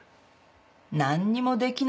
「何にもできないのよ。